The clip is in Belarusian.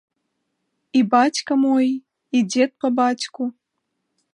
І бацька мой, і дзед па бацьку.